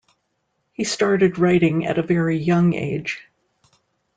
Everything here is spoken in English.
He started writing at a very young age.